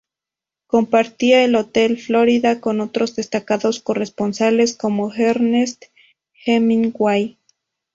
Compartía el Hotel Florida con otros destacados corresponsales, como Ernest Hemingway.